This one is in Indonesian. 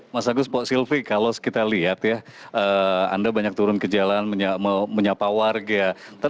mas agus pak silvi kalau kita lihat ya anda banyak turun ke jalan menyapa warga